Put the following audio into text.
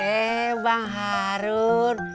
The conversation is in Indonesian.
eh bang harun